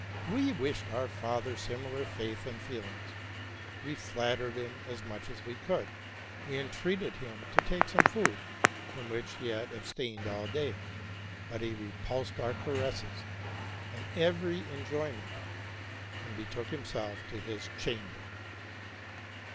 We wished our father similar faith and feelings; we flattered him as much as we could; we entreated him to take some food, from which he had abstained all day; but he repulsed our caresses and every enjoyment, and betook himself to his chamber.